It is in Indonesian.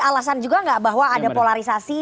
alasan juga nggak bahwa ada polarisasi